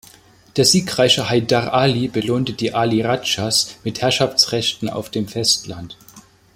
Der siegreiche Haidar Ali belohnte die Ali Rajas mit Herrschaftsrechten auf dem Festland.